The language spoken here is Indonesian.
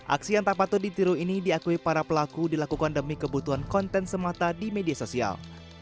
aksi yang tak patut ditiru ini diakui para pelaku dilakukan demi kebutuhan konten semata di media sosial